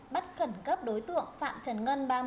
bắt khẩn cấp đối tượng phạm trần ngân